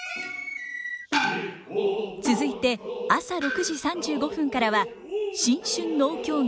続いて朝６時３５分からは新春能狂言。